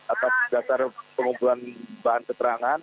atas dasar pengumpulan bahan keterangan